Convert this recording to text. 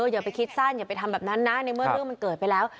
อย่าไปคิดสั้นอย่าไปทำแบบนั้นนะในเมื่อเรื่องมันเกิดไปแล้ว